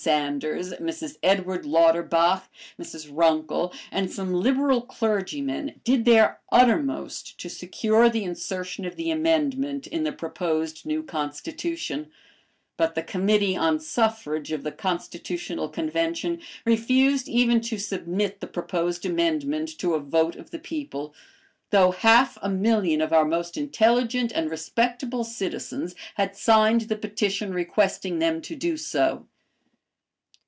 Sanders, Mrs. Edward Lauterbach, Mrs. Runkle, and some liberal clergymen did their uttermost to secure the insertion of the amendment in the proposed new constitution, but the Committee on Suffrage of the Constitutional Convention refused even to submit the proposed amendment to a vote of the people, though half a million of our most intelligent and respectable citizens had signed the petition requesting them to do so.